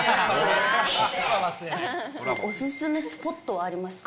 お勧めスポットありますか？